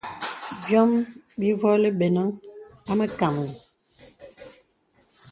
Byɔm bîvolī benəŋ a məkàməlì.